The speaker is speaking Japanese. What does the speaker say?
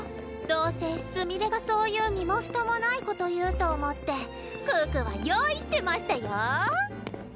どうせすみれがそういう身も蓋もないこと言うと思って可可は用意してましたよ！